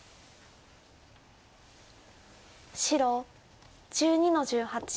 白１２の十八ノビ。